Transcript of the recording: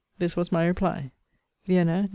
This was my reply: VIENNA, | NOV.